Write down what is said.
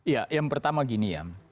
ya yang pertama gini ya